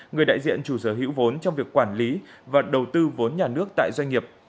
người đại diện chủ sở hữu vốn trong việc quản lý và đầu tư vốn nhà nước tại doanh nghiệp